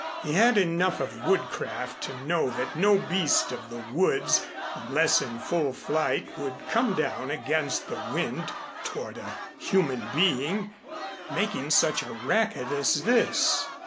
He had enough of woodcraft to know that no beast of the woods, unless in full flight, would come down against the wind toward a human being, making such a racket as this.